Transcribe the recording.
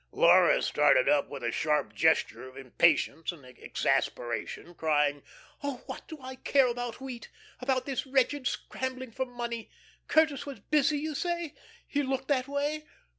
Laura started up with a sharp gesture of impatience and exasperation, crying: "Oh, what do I care about wheat about this wretched scrambling for money. Curtis was busy, you say? He looked that way?"